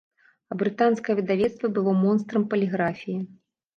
А брытанскае выдавецтва было монстрам паліграфіі.